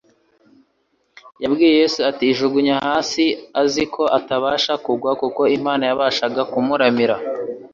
Yabwiye Yesu ati, “Ijugunye hasi,” azi ko atabasha kugwa; kuko Imana yabashaga kumuramira